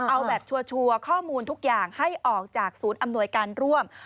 เอาแบบชัวร์ข้อมูลทุกอย่างให้ออกจากศูนย์อำนวยการร่วม